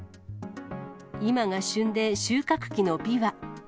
今が旬で、収穫期のびわ。